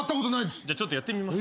じゃあちょっとやってみます？